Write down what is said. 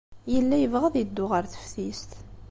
Yella yebɣa ad yeddu ɣer teftist.